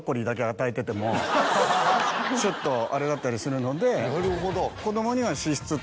ちょっとあれだったりするので。